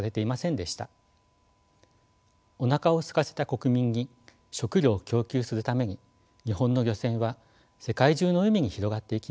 おなかをすかせた国民に食糧を供給するために日本の漁船は世界中の海に広がっていきました。